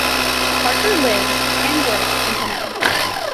Harker lives and works in Panama.